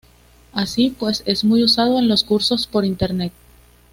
Así pues es muy usado en los cursos por internet.